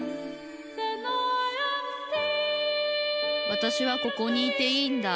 わたしはここにいていいんだ